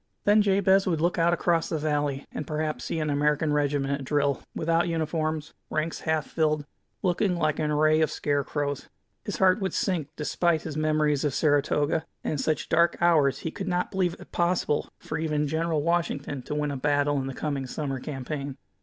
Then Jabez would look out across the valley, and perhaps see an American regiment at drill, without uniforms, ranks half filled, looking like an array of scarecrows. His heart would sink, dfespite his memories of Saratoga; and in such dark hours he could not believe it possible even for General Washington to win a battle in the coming summer campaign.